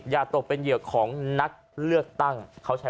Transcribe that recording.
อย่าตบเป็นเหยียบของนักเลือกตั้ง